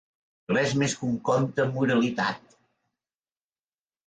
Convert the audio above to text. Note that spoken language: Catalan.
Res més que un conte amb moralitat.